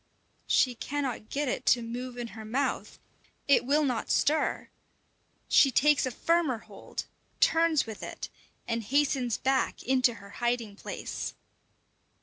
She cannot get it to move in her mouth; it will not stir! She takes a firmer hold, turns with it, and hastens back into her hiding place.